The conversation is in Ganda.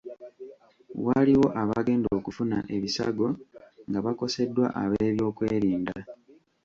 Waliwo abagenda okufuna ebisago nga bakoseddwa ab'ebyokwerinda.